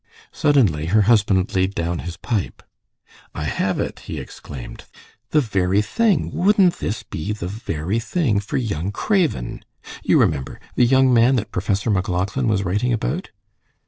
Suddenly her husband laid down his pipe. "I have it!" he exclaimed. "The very thing! Wouldn't this be the very thing for young Craven. You remember, the young man that Professor MacLauchlan was writing about."